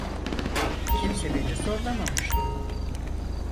Kimse beni zorlamamıştı.